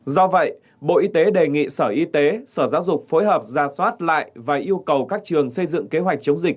do vậy bộ y tế đề nghị sở y tế sở giáo dục phối hợp ra soát lại và yêu cầu các trường xây dựng kế hoạch chống dịch